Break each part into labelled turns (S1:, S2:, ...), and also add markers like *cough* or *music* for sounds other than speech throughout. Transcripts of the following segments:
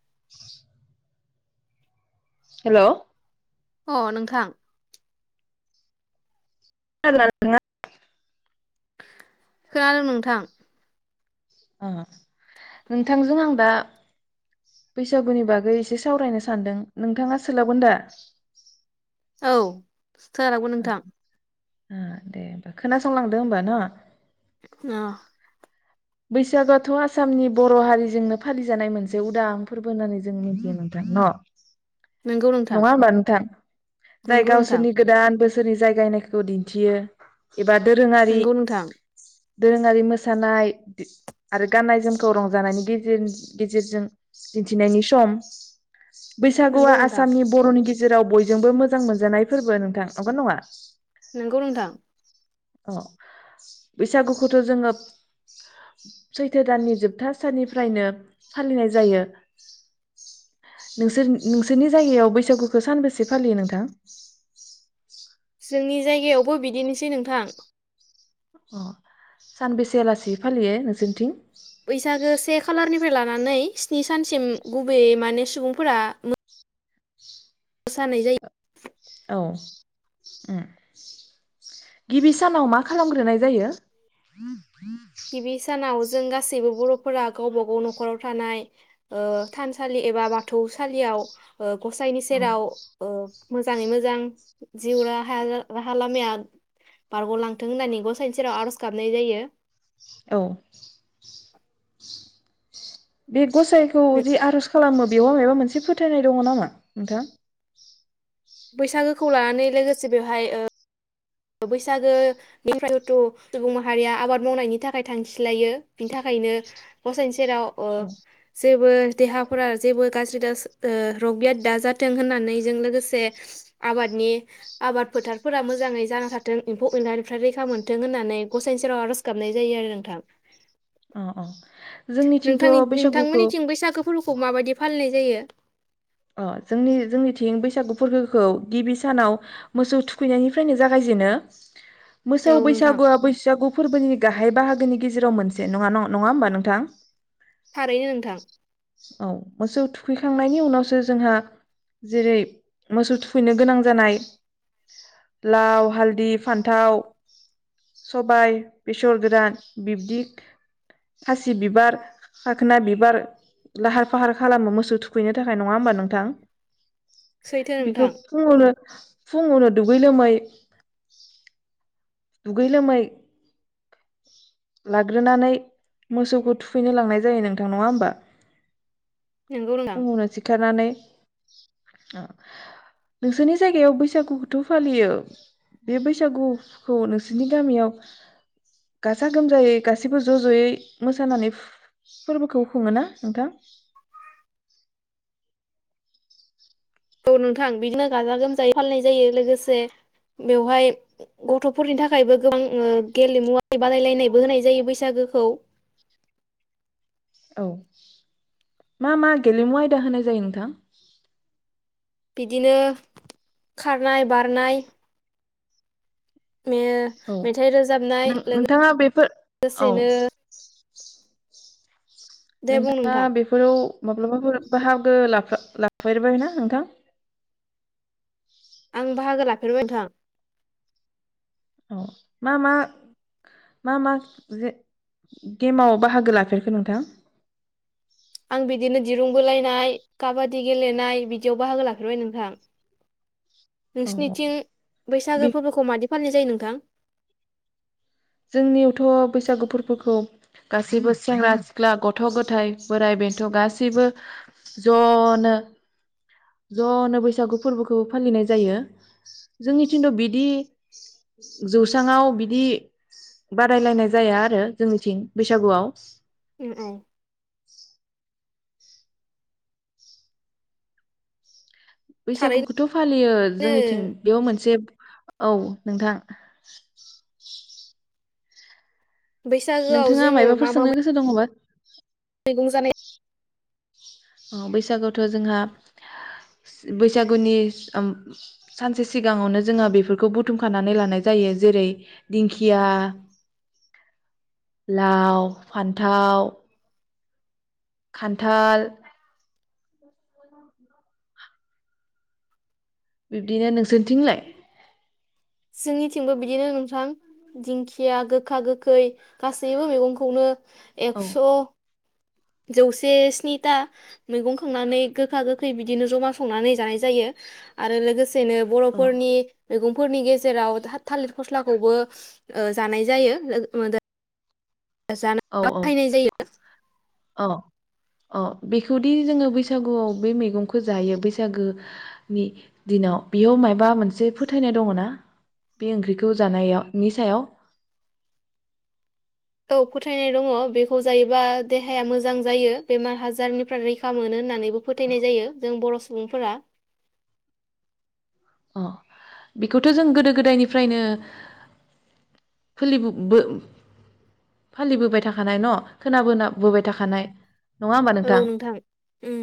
S1: *inaudible* हेल'।
S2: अ नोंथां।
S1: खोनादों ना नोंथाङा?
S2: खोनादों नोंथां।
S1: उम नोंथांजों आं दा बैसागुनि बागै एसे सावरायनो सानदों नोंथाङा सोलाबगोन दा?
S2: औ। *unintelligible* नोंथां।
S1: ओ दे होमबा, खोनासंलांदो होमबा ना
S2: *unintelligible*
S1: बैसागुआथ' आसामनि बर' हारिजोंनो फालिजानाय मोनसे उदां फोरबो होननानै जों मिथियो नोंथां न?
S2: नंगौ नोंथां
S1: नङा होमबा नोंथां जाय
S2: नंगौ नोंथां
S1: गावसोरनि गोदान बोसोर। जेरै जायगायनायखौ दिन्थियो। एबा दोरोङारि
S2: नंगौ नोंथां
S1: दोरोङारि मोसानाय इस आरो गाननाय जोमखौ रंजानायनि गेजेन गेजेरजों दिन्थिनायनि सम।
S2: नंगौ
S1: बैसागुआ
S2: नोंथां
S1: आसामनि बर'नि गेजे जेराव बयजोंबो मोजां मोनजानाय फोरबो नोंथां नंगौ नङा?
S2: नंगौ नोंथां
S1: अ बैसागुखौथ' जोङो सैथो दाननि जोबथा साननिफ्रायनो फालिनाय जायो। नोंसोर नोंसोरनि जायगायाव बैसागुखौ सानबेसे फालियो नोंथां?
S2: जोंनि जायगायावबो बिदिनोसै नोंथां।
S1: अ-सानबेसेआलासि फालियो नोंसोरनिथिं?
S2: बैसागो से खालारनिफ्राय लानानै स्नि सानसिम गुबैयै माने सुबुंफोरा मो
S1: औ ओम गिबि सानाव मा खालामग्रोनाय जायो?
S2: गिबि सानाव जो जों गासैबो बर'फोरा गावबा गाव न'खराव थानाय ओ थानसालि एबा बाथौ सालियाव ओ गसाइनि सेराव
S1: औ
S2: ओ मोजाङै मोजां जिउ राहाया राहा लामाया बारग'लांथों होननानै गसाइनि सेराव आर'ज गाबनाय जायो।
S1: औ बि गसाइखौ जि आर'ज खालामो बेयाव माबा मोनसे फोथायनाय दङ नामा नोंथां?
S2: बैसागोखौ लानानै लोगोसे बेवहाय ओ बैसागोनिफ्राय जिथुथु सुबुं माहारिया आबाद मावनायनि थाखाय थांखि लायो बिनि थाखायनो गसाइनि सेराव अ
S1: औ
S2: जेबो देहाफोरा जेबो गाज्रि दास ओ र'गियाद दा जाथों होननानै जों लोगोसे आबादनि आबाद फोथारफोरा मोजाङै जाना थाथों एम्फौ एनलानिफ्राय रैखा मोनथों होन्नानै गसाइनि सेराव आर'ज गाबनाय जायो आरो नोंथां।
S1: अ-अ जोंनिथिंथ'
S2: नोंथांनि
S1: बैसागुखौ
S2: नोंथांमोननिथिं बैसागो फोरबोखौ माबायदि फालिनाय जायो?
S1: अ जोंनि जोंनिथिं बैसागु फोरबोखौ गिबि सानाव मोसौ थुखैनायनिफ्रायनो जागायजेनो। मोसौ
S2: औ नोंथां
S1: बैसागुआ बैसागु फोरबोनि गाहाय बाहागोनि गेजेराव मोनसे नङा न नङा होमबा नोंथां?
S2: थारैनो नोंथां
S1: औ मोसौ थुखैखांनायनि उनावसो जोंहा जेरै मोसौ थुखैनो गोनां जानाय लाव, हालदि, फान्थाव, सबाय, बेसर गोदान बिब्दि खासि बिबार, खाखोना बिबार लाहार फाहार खालामो मोसौ थुखैनो थाखाय नङा होमबा? नोंथां
S2: सैथो
S1: बेखौ
S2: नोंथां
S1: फुङावनो फुङावनो दुगै लोमै दुगै लोमै लाग्रोनानै मोसौखौ थुखैनो लांनाय जायो नोंथां नङा होमबा
S2: नंगौ नोंथां
S1: फुङावनो सिखारनानै नोंसोरनि जायगायाव बैसागुखौथ' फालियो बे बैसागुखौ नोंसोरनि गामियाव गाजा गोमजायै गासैबो ज' ज'यै मोसानानै फोरबोखौ खुङोना नोंथां?
S2: औ नोंथां बिदिनो गाजा गोमजायै फालिनाय जायो लोगोसे बेवहाय गथ'फोरनि थाखायबो गोबां गेलेमु बादायलायनायबो होनाय जायो बैसागोखौ।
S1: औ मा मा गेलेमु आयदा होनाय जायो नोंथां?
S2: बिदिनो खारनाय बारनाय मे
S1: औ
S2: मेथाइ रोजाबनाय
S1: नों नोंथाङा बेफोर
S2: लोगो
S1: औ
S2: सेनो
S1: *inaudible*
S2: बुं
S1: नोंथाङा
S2: नोंथां
S1: बेफोराव माब्लाबाफोर बाहागो लाफो लाफेरबाय ना नोंथां?
S2: आं बाहागो लाफेरबाय *unintelligible* थां।
S1: अ मा मा मा मा जे गेमाव बाहागो लाफेरखो नोंथां?
S2: आं बिदिनो दिरुं बोलायनाय काबादि गेलेनाय बिदियाव बाहागो लाफेरबाय नोंथां।
S1: औ
S2: नोंसिनिथिं
S1: बे
S2: बैसागो फोरबोखौ मादि फालि जायो नोंथां?
S1: जोंनियावथ' बैसागु फोरफोरख गासैबो सेंग्रा सिख्ला गथ' गथाय बोराइ बेन्थ' गासैबो ज'नो ज'नो बैसागु फोरबोखौ फालिनाय जायो। जोंनिथिंथ' बिदि जौस्राङाव बिदि बादायलायनाय जाया आरो जोंनिथिं बैसागुआव।
S2: उ *unintelligible*
S1: *inaudible*
S2: थारैनो
S1: बैसागुखौथ' फालियो जोंनिथिं बेयाव मोनसे औ नोंथां।
S2: बैसागोआव
S1: नोंथाङा
S2: जोङो मा
S1: मायबाफोर
S2: मा
S1: सोंनो गोसो दङबा? *inaudible*
S2: मैगं जानाय
S1: अ बैसागुआवथ' जोंहा बैसागुनि उम सानसे सिगाङावनो जोंहा बेफोरखौ बुथुमखानानै लानाय जायो जेरै दिंखिया, लाव, फान्थाव खान्थाल बिब्दिनो, नोंसोरनिथिंलाय?
S2: जोंनिथिंबो बिदिनो नोंथां दिंखिया गोखा गोखै गासैबो मैगंखौनो
S1: औ
S2: एकस' जौसे स्निथा मैगं खांनानै गोखा गोखै बिदिनो जमा संनानै जानाय जायो। आरो लोगोस सेनो
S1: औ
S2: बर'फोरनि मैगं फोरनि गेजेराव था थालिर फस्लाखौबो ओ जानाय जायो *unintelligible* *unintelligible*
S1: औ औ
S2: बाहायनाय जायो।
S1: अ बेखौदि जोङो बैसागुआव बे मेगंखौ जायो बैसागोनि दिनाव बेयाव मायबा मोनसे फोथायनाय दङ ना बे ओंख्रिखौ जानाय नि सायाव?
S2: औ फोथायनाय दङ बेखौ जायोबा देहाया मोजां जायो बेमार हाजारनिफ्राय रैखा मोनो होननानैबो फोथायनाय जायो जों बर' सुबुंफोरा।
S1: अ बेखौथ' जों गोदो गोदायनिफ्रायनो फोलिबो फालिबोबाय थाखानाय न' खोनाबोबाय थाखानाय नङा होमबा
S2: औ नोंथां उम।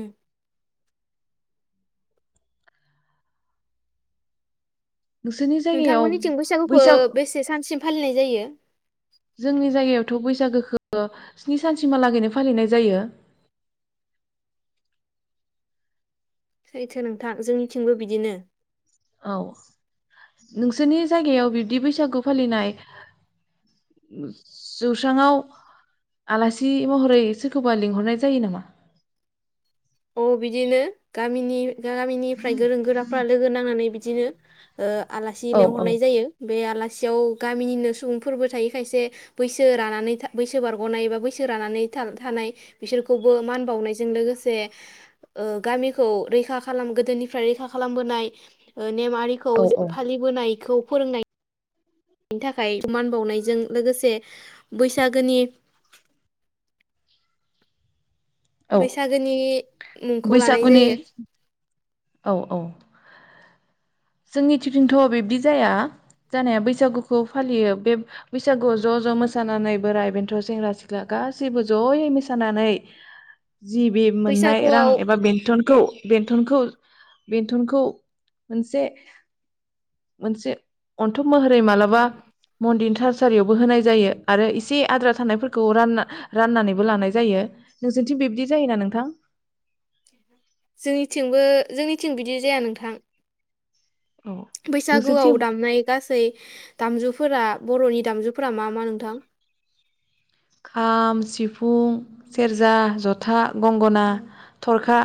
S1: नोंसोरनि जायगायाव
S2: नोंथांमोननिथिं बैसागुखौ
S1: बैसाग
S2: बेसे सानसिम फालिनाय जायो?
S1: जोंनि जायगायावथ' बैसागोखो स्नि सानसिमहालागैनो फालिनाय जायो।
S2: सैथो नोंथां जोंनिथिंबो बिदिनो।
S1: औ नोंसोरनि जायगायाव बिब्दि बैसागु फालिनाय जौसांआव आलासि महरै सोरखोबा लिंहरनाय जायो नामा?
S2: अ बिदिनो गामिनि गामिनिफ्राय गोरों गोराफ्रा लोगो नांनानै बिदिनो ओ। आलासि
S1: औ औ
S2: लेंहरनाय जायो बे आलास सेयाव गामिनिनो सुबुंफोरबो थायो खायसे बैसो रानानै बैसो बारग'नाय बा बैसो रानानै थानाय बिसोरखौबो मान बावनायजों लोगोसे ओ गामिखौ रैखा खालाम गोदोनिफ्राय रैखा खालामबोनाय ओन
S1: औ
S2: नेमारिखौजो
S1: औ
S2: फालिबोनायखौब फोरोंनाय बेनि थाखाय मान बावनायजों लोगोसे बैसागोनि
S1: औ
S2: बैसागोनि मुंखौ लानाय
S1: बैसागुनि
S2: जायो।
S1: औ औ। जोंनिथिथिंथ' बिब्दि जाया जानाया बैसागुखौ फालियो बे बैसागुआव ज' ज' मोसानानै बोराइ बेन्थ' सेंग्रा सिख्ला गासैबो ज'यै मोसानानै जि बि मोननाय रां
S2: बैसागुआव
S1: एबा बेथनखौ बेथनखौज बेन्थनखौ मोनसे‌ मोनसे अन्थब महरै मालाबा मन्दिन थारसारियावबो होनाय जायो आरो इसे आद्रा थानायफोरखौ रानना राननानैबो लानाय जायो नोंसिनथिं बिबदि जायोना नोंथां?
S2: जोंनिथिंबो जोंनिथिं बिदि जाया नोंथां। बैसागोआव
S1: नोंसोरनिथिं
S2: दामनाय गासै दामजुफ फोरा बर'नि दामजुफोरा मा मा नोंथां?
S1: खाम सिफुं सेरजा जथा गंगना थरखा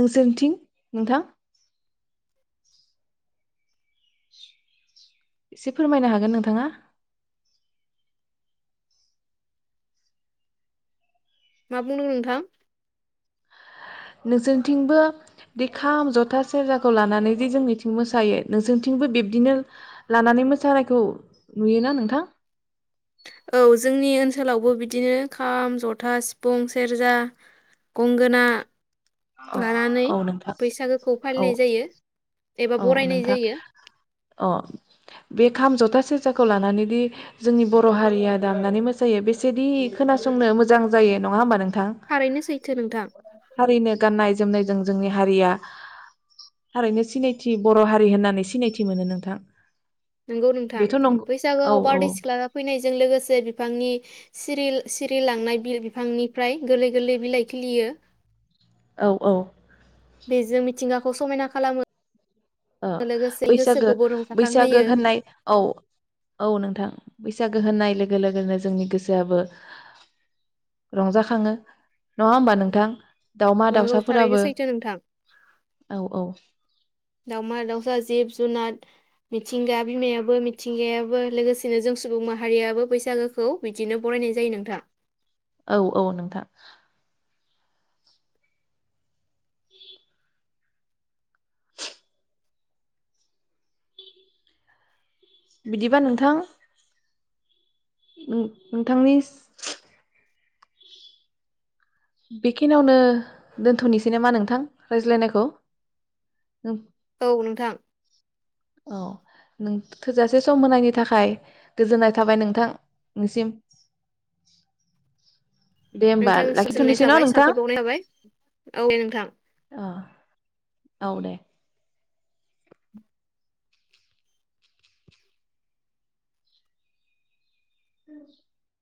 S1: नोंसोरनि थिं नोंथां एसे फोरमायनो हागोन नोंथाङा।
S2: मा बुंदों नोथां?
S1: नोंसोरथिंबो बे खाम जथा सेरजाखौ लानानै जे जोंनिथिं मोसायो नोंसोरथिंबो बिब्दिनो लानानै मोसानायखौ नुयोना नोंथां?
S2: औ जोंनि ओनसोलावबो बिदिनो खाम जथा सिफुं सेरजा गंगोना
S1: अ
S2: लानानै
S1: औ नोंथां
S2: बैसागोखौ
S1: औ
S2: फालिनाय जायो। एबा
S1: औ
S2: बरायनाय
S1: नोंथां
S2: जायो
S1: अ बेख खाम जथा सेरजाखौ लानानै दि जोंनि बर' हारिया दामनानै मोसायो बेसेदि खोनासंनो मोजां जायो नङा होमबा नों थां
S2: थारैनो सैथो नोंथां
S1: थारैनो गाननाय जोमनायज जों जोंनि हारिया थारैनो सिनायथ थि बर' हारि होननानै सिनायथि मोनो नोंथां।
S2: नोंगौ नोंथां
S1: बेथ' नंगौ औ
S2: बैसागोआव
S1: औ
S2: बारदै सिख्ला फैनायजों लोगोसे बिफांनि सिरिल सिरिलांनाय बिल बिफांनिफ्राय गोरलै गोरलै बिलाइ खिलियो।
S1: औ औ।
S2: बेजों मिथिंगाखौ समायना खालामो।
S1: ओ
S2: लोगोसे
S1: बैसागो
S2: गोसोखौबो
S1: बैसागो
S2: रंजाखांहोयो
S1: होननाय औ औ नोंथां। बैसागो होननाय लोगो लोगोनो जोंनि गोसोआबो रंजाखाङो। नंङा होमबा नोंथां दावमा
S2: नोंगौ थारैनो
S1: दाउसाफोराबो
S2: सैथो नोंथां
S1: औ औ
S2: दावमा- दाउसा जिबस जुनाद मिथिंगा बिमायाबो मिथिंगायाबो लोगोसेनो जों सुबुं माहारियाबो बैसागोखौ बिदिनो बरायनाय जायो नोंथां
S1: औ- औ नोंथां बिदिबा नोंथां उम नोंथांनिस बेखिनावनो दोनथ'नोसै नामा नोंथां रायज्लायनायखौ *unintelligible*
S2: औ नोंथां
S1: औ नों थोजासे सम होनायनि थाखाय गोजोननाय थाबाय नोंथां निसिम
S2: नोंथांनिसिमबो गोजोननाय थाबाय साफबायखर बावनाय थाबाय औ दे नोंथां
S1: औ औ दे *unintelligible*